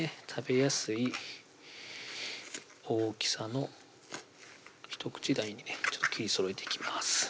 食べやすい大きさのひと口大にね切りそろえていきます